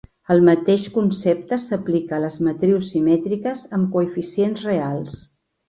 El mateix concepte s'aplica a les matrius simètriques amb coeficients reals.